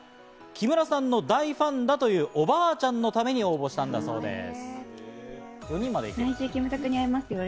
木村さんの大ファンだという、おばあちゃんのために応募したんだそうです。